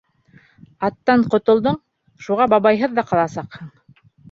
Аттан ҡотолдоң, шуға бабайһыҙ ҙа ҡаласаҡһың!